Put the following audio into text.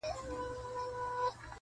یو ډاکټر له لیری راغی د ده خواله؛